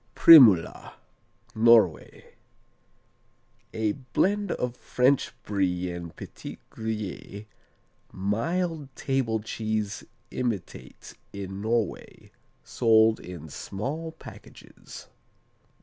Primula Norway A blend of French Brie and Petit Gruyère, mild table cheese imitate in Norway, sold in small packages.